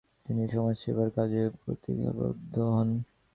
তিনি সমাজসেবার কাজে প্রতিজ্ঞাবদ্ধ হন।